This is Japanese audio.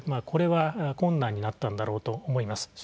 これは困難になったんだろうと思います。